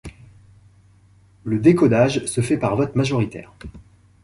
Le décodage se fait par vote majoritaire.